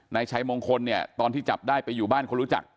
นายชัยมงคลเนี่ยตอนที่จับได้ไปอยู่บ้านคนรู้จัก